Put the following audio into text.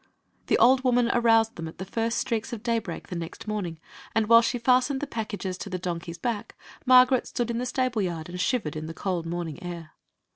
The old woman aroused them at the first streaks of daybreak the next morning, and while she fastened the packages to the donkey's back Margaret stood in the stable yard and shivered in the cold morning air.